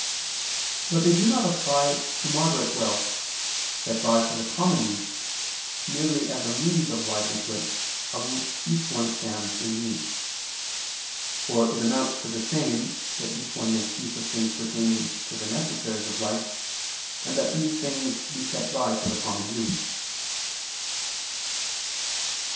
But they do not apply to moderate wealth, set by for the common use, merely as a means of livelihood of which each one stands in need. For it amounts to the same that each one makes use of things pertaining to the necessaries of life, and that these things be set by for the common use.